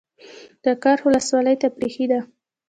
د کرخ ولسوالۍ تفریحي ده